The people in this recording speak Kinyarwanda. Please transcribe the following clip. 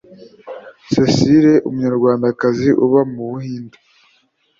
cecile umunyarwandakazi uba mu buhinde